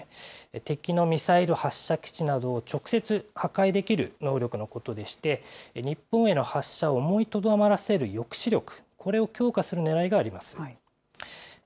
敵のミサイル発射基地などを直接破壊できる能力のことでして、日本への発射を思いとどまらせる抑止力、これを強化するねらいがあります。